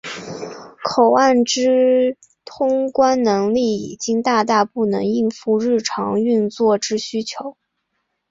口岸之通关能力已经大大不能应付日常运作之需求。